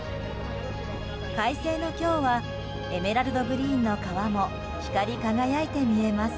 快晴の今日はエメラルドグリーンの川も光輝いて見えます。